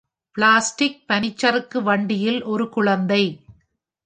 Plastic பனிச்சறுக்கு வண்டியில் ஒரு குழந்தை.